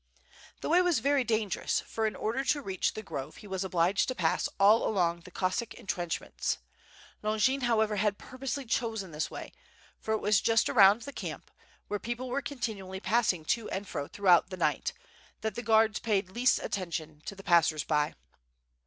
The way was very dangerous, for in order io reach the grove, he was obliged to pass all along the Cossack entrench ments. Longin, however, had purposely chosen this way, for it was just around the camp, where people were con tinually passing to and fro throughout the night, that the guards paid least attention to the passers by.